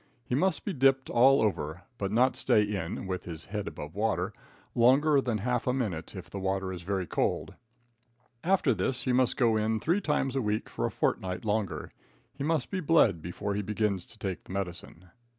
He must be dipped all over, but not stay in (with his head above water) longer than half a minute if the water is very cold. After this he must go in three times a week for a fortnight longer. He must be bled before he begins to take the medicine."